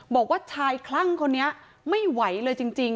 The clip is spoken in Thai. บอกว่าชายคลั่งคนนี้ไม่ไหวเลยจริง